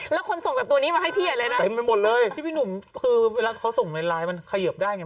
แล้วคนส่งกับตัวนี้มาให้พี่ใหญ่เลยนะเต็มไปหมดเลยที่พี่หนุ่มคือเวลาเขาส่งในไลน์มันเขยิบได้ไง